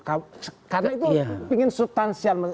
karena itu ingin substansial